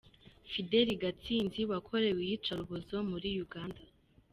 Fidele Gatsinzi wakorewe iyica rubozo muri Uganda